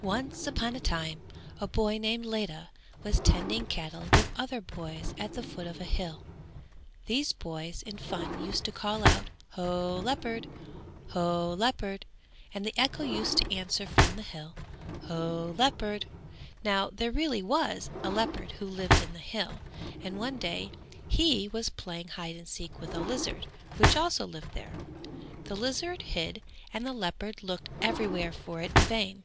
Once upon a time a boy named Ledha was tending cattle with other boys at the foot of a hill, and these boys in fun used to call out "Ho, leopard: Ho, leopard," and the echo used to answer from the hill "Ho, leopard." Now there really was a leopard who lived in the hill and one day he was playing hide and seek with a lizard which also lived there. The lizard hid and the leopard looked every where for it in vain.